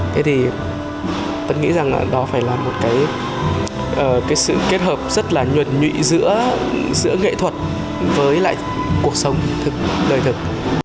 thế thì tôi nghĩ rằng là đó phải là một cái sự kết hợp rất là nhuận nhụy giữa nghệ thuật với lại cuộc sống đời thực